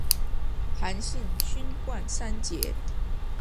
韩信勋冠三杰。